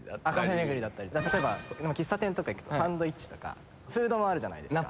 例えば喫茶店とか行くとサンドイッチとかフードもあるじゃないですか。